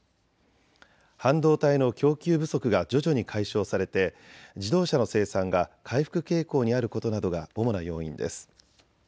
半導体の供給不足が徐々に解消されて自動車の生産が回復傾向にあることなどが主な要因です。